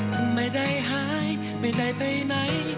จะไม่ได้หายไม่ได้ไปไหน